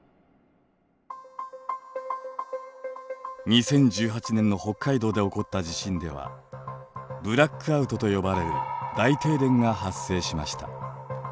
２０１８年の北海道で起こった地震ではブラックアウトと呼ばれる大停電が発生しました。